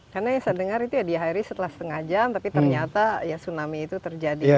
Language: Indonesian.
karena yang saya dengar itu ya diakhiri setelah setengah jam tapi ternyata tsunami itu terjadi